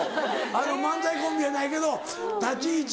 漫才コンビやないけど立ち位置で。